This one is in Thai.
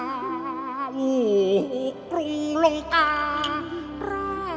จาวุคุมลงการะปิชธาน